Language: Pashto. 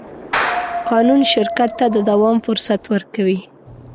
قانون شرکت ته د دوام فرصت ورکوي.